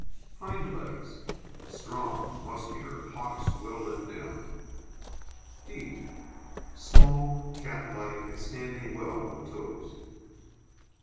HIND LEGS Strong, muscular, hocks well let down. FEET Small, catlike, and standing well on the toes.